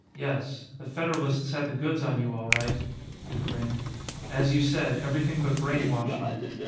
Yes. The Federalists had the goods on you, all right." He grinned. "As you said, everything but brainwashing."